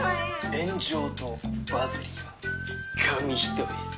炎上とバズ・リーは紙一重っす。